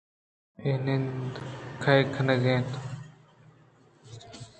اے ند کئیگ اِنت؟